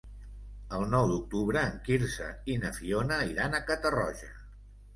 El nou d'octubre en Quirze i na Fiona iran a Catarroja.